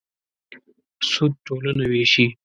سود ټولنه وېشي.